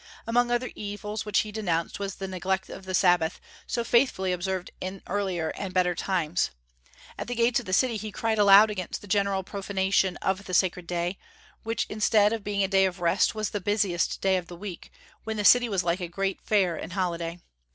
Among other evils which he denounced was the neglect of the Sabbath, so faithfully observed in earlier and better times. At the gates of the city he cried aloud against the general profanation of the sacred day, which instead of being a day of rest was the busiest day of the week, when the city was like a great fair and holiday.